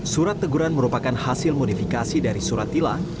surat teguran merupakan hasil modifikasi dari surat tilang